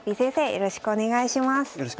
よろしくお願いします。